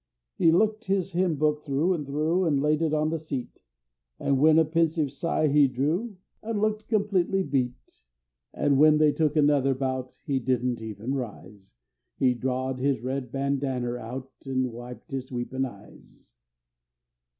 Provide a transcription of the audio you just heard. He looked his hymn book through and through, And laid it on the seat, And then a pensive sigh he drew, And looked completely beat. An' when they took another bout, He didn't even rise; But drawed his red bandanner out, An' wiped his weepin' eyes.